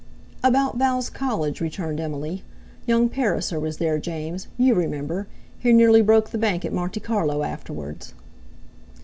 "About Val's college," returned Emily. "Young Pariser was there, James; you remember—he nearly broke the Bank at Monte Carlo afterwards."